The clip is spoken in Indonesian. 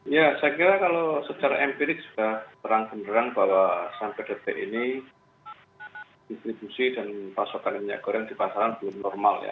ya saya kira kalau secara empirik sudah terang benerang bahwa sampai detik ini distribusi dan pasokan minyak goreng di pasaran belum normal ya